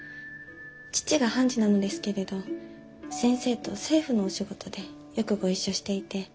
父が判事なのですけれど先生と政府のお仕事でよくご一緒していて。